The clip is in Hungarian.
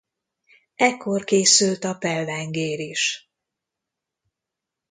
Ekkor készült a pellengér is.